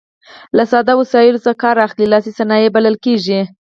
له ساده وسایلو څخه کار اخلي لاسي صنایع بلل کیږي.